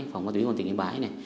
phòng ban túy của tỉnh yên bái này